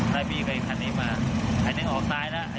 ไลดี้กับอีกคันนี้มาไอเน้นออกไหนละไอ